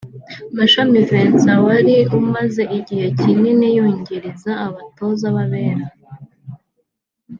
Mashami Vincent wri umaze igihe kinini yungiriza abatoza b’abera